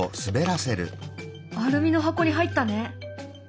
アルミの箱に入ったね。